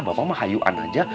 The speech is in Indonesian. bapak mah hayuan saja